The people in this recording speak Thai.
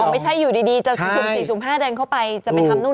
ไม่ใช่อยู่ดีจะถึงสี่สูงผ้าเดินเข้าไปจะไปทำนู่น